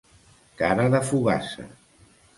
Cara de fogassa.